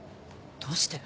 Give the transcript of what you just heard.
どうして？